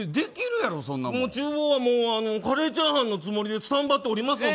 厨房はカレーチャーハンのつもりでスタンバっていますので。